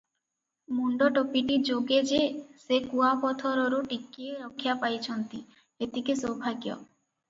ମୁଣ୍ଡ ଟୋପିଟି ଯୋଗେ ଯେ ସେ କୁଆପଥରରୁ ଟିକିଏ ରକ୍ଷା ପାଇଚନ୍ତି ଏତିକି ସୌଭାଗ୍ୟ!